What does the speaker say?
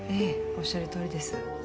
おっしゃるとおりです。